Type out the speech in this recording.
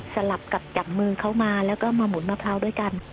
สลับกับจับมือเขามาแล้วก็มาหมุนมะพร้าวด้วยกัน